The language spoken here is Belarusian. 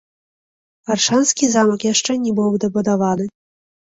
Аршанскі замак яшчэ не быў дабудаваны.